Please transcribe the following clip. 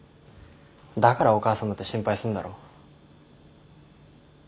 だからお母さんだって心配すんだろ。